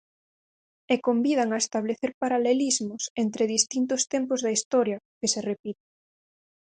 E convidan a establecer paralelismos entre distintos tempos da historia, que se repite.